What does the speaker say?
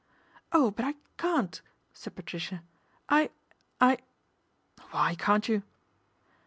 " Oh, but I can't," said Patricia ;" I I "" Why can't you